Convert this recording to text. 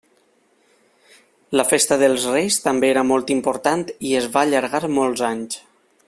La festa dels Reis també era molt important i es va allargar molts anys.